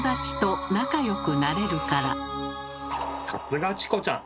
さすがチコちゃん！